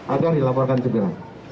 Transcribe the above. akan dilaporkan segera